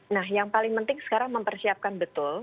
nah yang paling penting sekarang mempersiapkan betul